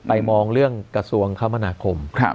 มองเรื่องกระทรวงคมนาคม